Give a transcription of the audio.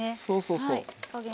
そうそうそう。